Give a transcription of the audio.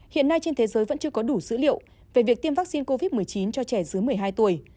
hiện nay trên thế giới vẫn chưa có đủ dữ liệu về việc tiêm vaccine covid một mươi chín cho trẻ dưới một mươi hai tuổi